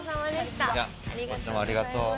ありがとう。